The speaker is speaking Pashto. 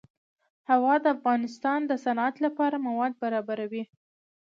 هوا د افغانستان د صنعت لپاره مواد برابروي.